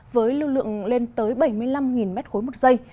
với lưu lượng lên tới bảy mươi năm m ba một giây